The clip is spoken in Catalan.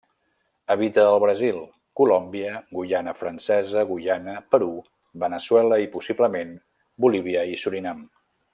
Habita al Brasil, Colòmbia, Guyana francesa, Guyana, Perú, Veneçuela i, possiblement, Bolívia i Surinam.